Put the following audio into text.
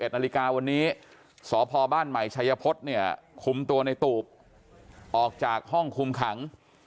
๑นาฬิกาวันนี้สพบ้านใหม่ชัยพฤษเนี่ยคุมตัวในตูบออกจากห้องคุมขัง